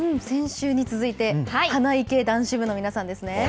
先週に続いて、花いけ男子部の皆さんですね。